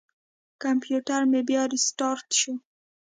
کمپیوټر مې بیا ریستارټ شو.